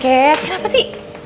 oke kenapa sih